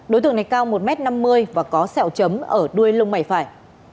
đối tượng này cao một m năm mươi và có sẹo chấm ở đuôi lông mày phải